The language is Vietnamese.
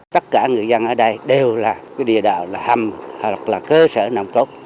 tất cả người dân ở đây đều là cái địa đạo là hầm hoặc là cơ sở nông cốc